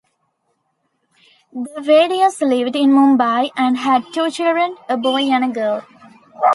The Wadias lived in Mumbai and had two children, a boy and a girl.